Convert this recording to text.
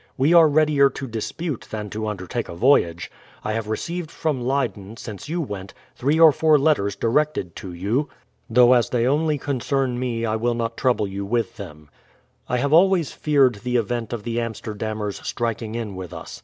We are readier to dispute than to undertake a voyage. I have received from Leyden, since you went, three or four letters directed to you ; though as they only concern me I will not trouble you with them, I have always feared the event of the Amsterdamers striking in with us.